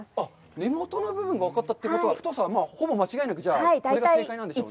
根元の部分が分かったということは、太さはほぼ間違いなく、これが正解なんでしょうね。